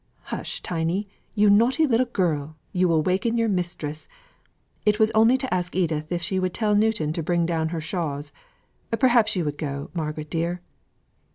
"Hush, Tiny! you naughty little girl! you will waken your mistress. It was only to ask Edith if she would tell Newton to bring down her shawls; perhaps you would go, Margaret dear?"